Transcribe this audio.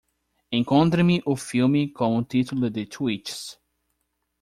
Encontre-me o filme com o título de Twitches